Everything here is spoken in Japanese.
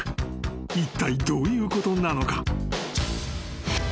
［いったいどういうことなのか？］